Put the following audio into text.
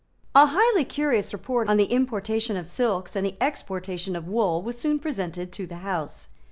A highly curious report on the importation of silks and the exportation of wool was soon presented to the House.